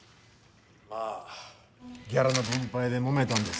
まあギャラの分配でもめたんです。